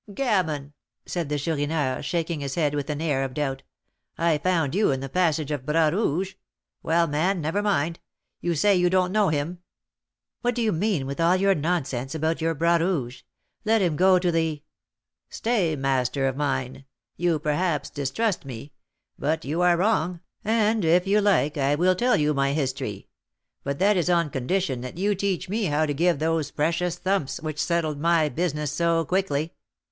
"Gammon!" said the Chourineur, shaking his head with an air of doubt. "I found you in the passage of Bras Rouge. Well, man, never mind. You say you don't know him?" "What do you mean with all your nonsense about your Bras Rouge? Let him go to the " "Stay, master of mine. You, perhaps, distrust me; but you are wrong, and if you like I will tell you my history; but that is on condition that you teach me how to give those precious thumps which settled my business so quickly.